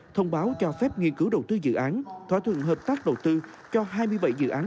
thông báo cho phép nghiên cứu đầu tư dự án thỏa thuận hợp tác đầu tư cho hai mươi bảy dự án